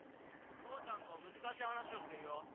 父ちゃんと難しい話をしてるよ。